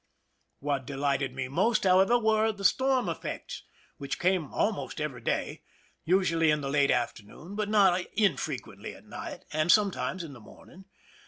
What delighted me most, however, were the storm effects, which came almost every day, usually in the late afternoon, but not infrequently at night, and sometimes in the morning.